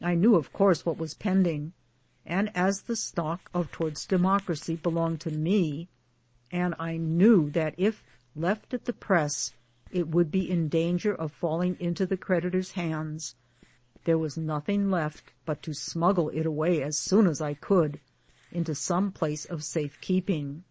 I knew of course what was pend ing ; and as the stock of Towards Democracy belonged to me, and I knew that if left at the Press it would be in danger of falling into the creditors' hands, there was nothing left but to smuggle it away as soon as I could into some place of safe keeping.